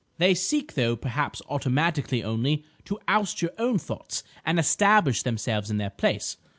They seek, though perhaps automatically only, to oust your own thoughts and establish themselves in their place.